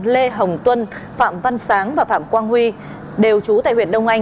lê hồng tuân phạm văn sáng và phạm quang huy đều trú tại huyện đông anh